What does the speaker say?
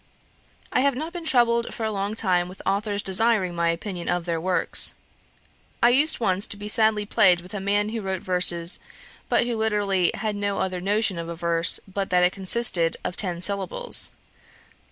'I have not been troubled for a long time with authours desiring my opinion of their works. I used once to be sadly plagued with a man who wrote verses, but who literally had no other notion of a verse, but that it consisted of ten syllables.